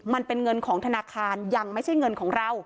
มันเป็นเงินของธนาคารยังไม่ใช่เงินของเรา